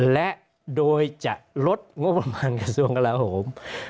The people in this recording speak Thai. และโดยจะลดงบประมาณกระทรวงกลาโหม